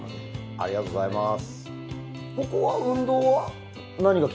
ありがとうございます。